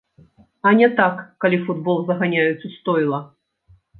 А не так, калі футбол заганяюць у стойла!